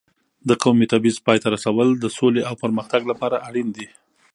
د قومي تبعیض پای ته رسول د سولې او پرمختګ لپاره اړین دي.